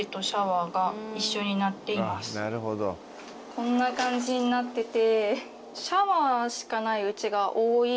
こんな感じになってて。